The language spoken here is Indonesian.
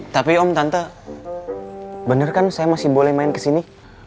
tapi om tante bener kan saya masih boleh main kesini